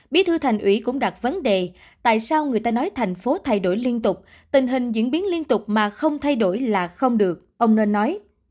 bí thư thành ủy cũng đặt vấn đề tại sao người ta nói thành phố thay đổi liên tục tình hình diễn biến liên tục mà không thay đổi là không được ông nên nói